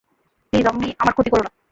Please, আমার ক্ষতি কোরো না।